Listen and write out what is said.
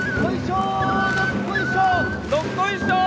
どっこいしょー